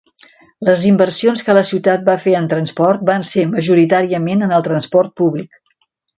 Les inversions que la ciutat va fer en transport van ser majoritàriament en el transport públic.